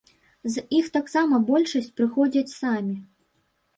З іх таксама большасць прыходзяць самі.